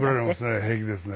平気ですね。